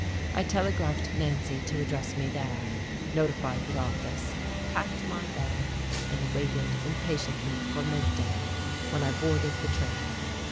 I telegraphed Nancy to address me there, notified the office, packed my bag, and waited impatiently for midday, when I boarded the train.